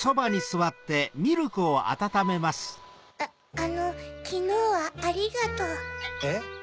あのきのうはありがとう。えっ？